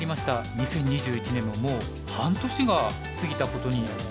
２０２１年ももう半年が過ぎたことになるんですね。